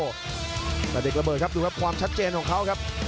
แต่เด็กระเบิดครับดูครับความชัดเจนของเขาครับ